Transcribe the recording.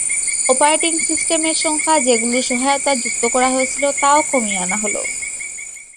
Operating system এর সংখ্যা যেগুলোর সহায়তা যুক্ত করা হয়েছিল তাও কমিয়ে আনা হল।